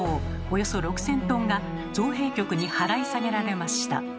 およそ６，０００トンが造幣局に払い下げられました。